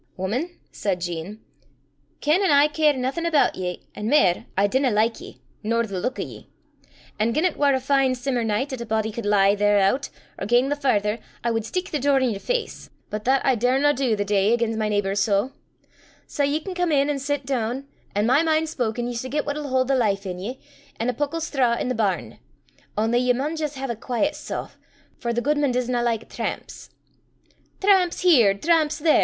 "Wuman," said Jean, "ken an' I care naething aboot ye, an' mair, I dinna like ye, nor the luik o' ye; and gien 't war a fine simmer nicht 'at a body cud lie thereoot, or gang the farther, I wad steek the door i' yer face; but that I daurna dee the day again' my neebour's soo; sae ye can come in an' sit doon an', my min' spoken, ye s' get what'll haud the life i' ye, an' a puckle strae i' the barn. Only ye maun jist hae a quaiet sough, for the gudeman disna like tramps." "Tramps here, tramps there!"